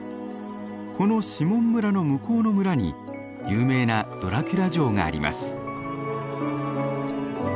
このシモン村の向こうの村に有名なドラキュラ城があります。